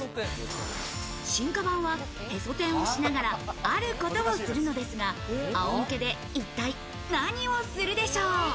進化版は、へそ天をしながら、あることをするのですが、あおむけで一体、何をするでしょう。